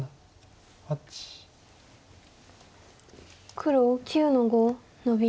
黒９の五ノビ。